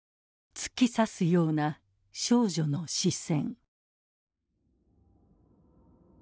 突き刺すような少女の視線。